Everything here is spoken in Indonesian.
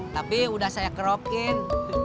tapi udah saya kerokin